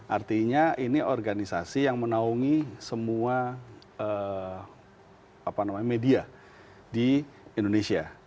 artinya ini organisasi yang menaungi semua media di indonesia